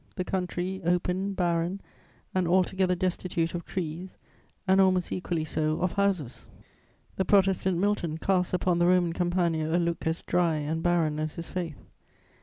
the country ...open, barren, and altogether destitute of trees, and almost equally so of houses." The Protestant Milton casts upon the Roman Campagna a look as dry and barren as his faith.